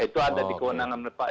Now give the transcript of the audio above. itu ada di kewenangan pak jokowi